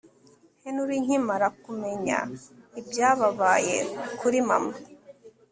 Henry nkimara kumenya ibyababaye kuri mama